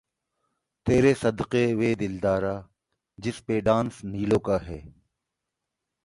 ''تیرے صدقے وے دلدارا‘‘ جس پہ ڈانس نیلو کا ہے۔